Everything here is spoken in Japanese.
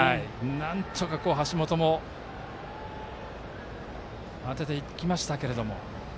なんとか橋本も当てていきましたけれども。